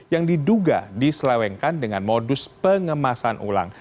yang diduga diselewengkan dengan modus pengemasan ulang